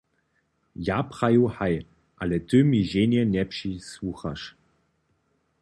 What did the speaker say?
Ja praju haj, ale ty mi ženje njepřisłuchaš.